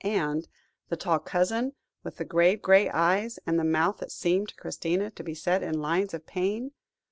And the tall cousin, with the grave grey eyes, and the mouth that seemed to Christina to be set in lines of pain?